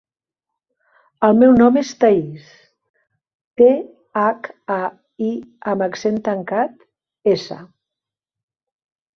El meu nom és Thaís: te, hac, a, i amb accent tancat, essa.